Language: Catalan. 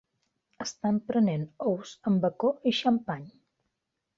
Estan prenent ous amb bacó i xampany.